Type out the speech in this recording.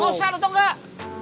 oh salah tau gak